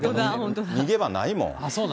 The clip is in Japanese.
逃げ場ないもん。